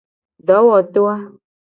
Dowoto a.